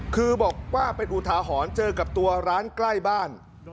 คือบอกว่าเป็นอุทาหรณ์เจอกับตัวร้านใกล้บ้าน